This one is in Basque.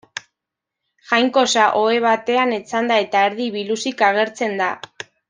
Jainkosa ohe batean etzanda eta erdi biluzik agertzen da.